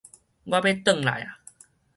我欲來轉